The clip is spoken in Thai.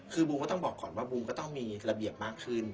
คือบูมก็ต้องบอกก่อนว่าบูมก็ต้องมีระเบียบมากขึ้น